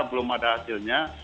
belum ada hasilnya